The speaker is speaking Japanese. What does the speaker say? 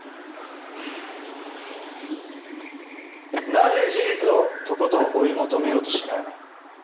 なぜ事実をとことん追い求めようとしない。